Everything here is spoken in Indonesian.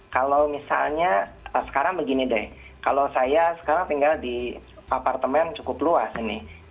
kalau misalnya sekarang begini deh kalau saya sekarang tinggal di apartemen cukup luas ini